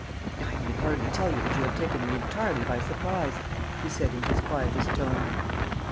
"I need hardly tell you that you have taken me entirely by surprise," he said in his quietest tone.